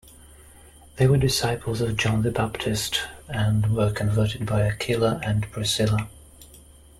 They were disciples of John the Baptist and were converted by Aquila and Priscilla.